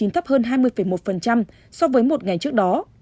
thấp hơn hai mươi một so với một ngày trước đó